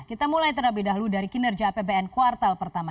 kita mulai terlebih dahulu dari kinerja apbn kuartal pertama